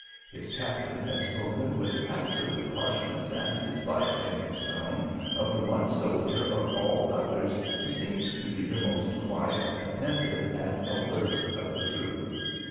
His captain had spoken with absolute harshness and dislike in his tone of the one soldier of all others who seemed to be the most quiet, attentive, and alert of the troop.